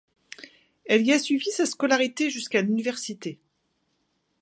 Elle y a suivi sa scolarité jusqu’à l’université.